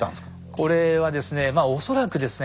これはですねまあ恐らくですね